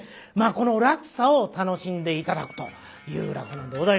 この落差を楽しんで頂くという落語でございます。